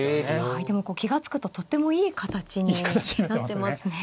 はいでもこう気が付くととってもいい形になってますね。